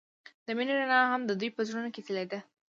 د مینه رڼا هم د دوی په زړونو کې ځلېده.